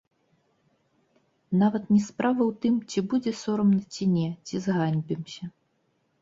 Нават не справа ў тым, ці будзе сорамна, ці не, ці зганьбімся.